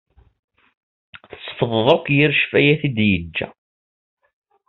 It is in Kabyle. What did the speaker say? Tessefḍeḍ akk yir ccfayat i d-yeǧǧa.